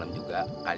lapar juga kan